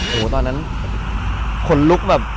โหตอนนั้นขนลุกแบบ